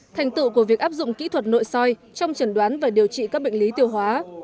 thành tựu của việc áp dụng kỹ thuật nội soi trong trần đoán và điều trị các bệnh lý tiêu hóa